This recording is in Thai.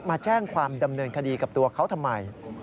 มาแจ้งความดำเนินคดีกับตัวเขาทำไม